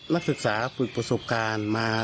นักศึกษาฝึกประสบการณ์มา